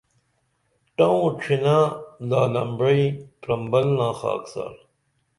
ٹوں ڇھنہ لال امبعیں پرمبلنا خاکسار